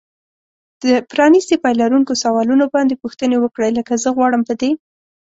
د پرانیستي پای لرونکو سوالونو باندې پوښتنې وکړئ. لکه زه غواړم په دې